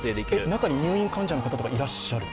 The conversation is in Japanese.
中に入院患者の方とか、いらっしゃる？